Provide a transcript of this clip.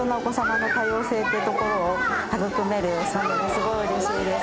すごいうれしいです。